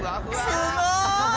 すごい！